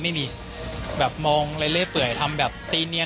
มันคนเราอ่ะเขาก็ปกติดีเนี่ย